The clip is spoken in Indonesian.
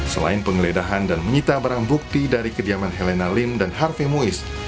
selain penggeledahan dan menyita barang bukti dari kediaman helena lim dan harve muiz